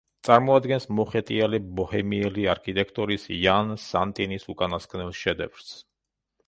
წარმოადგენს მოხეტიალე ბოჰემიელი არქიტექტორის იან სანტინის უკანასკნელ შედევრს.